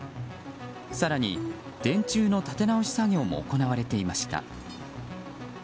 更に、電柱の立て直し作業も行われていました。